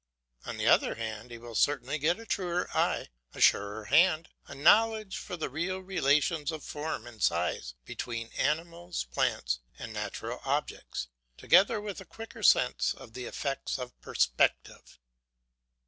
On the other hand, he will certainly get a truer eye, a surer hand, a knowledge of the real relations of form and size between animals, plants, and natural objects, together with a quicker sense of the effects of perspective.